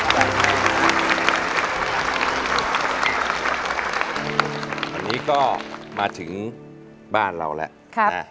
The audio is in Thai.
วันนี้ก็มาถึงบ้านเราแล้วนะครับครับ